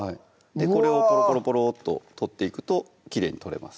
これをポロポロッと取っていくときれいに取れます